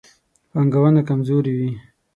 پانګونه کمزورې وي.